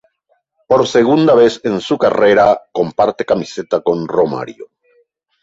Por segunda vez en su carrera comparte camiseta con Romário.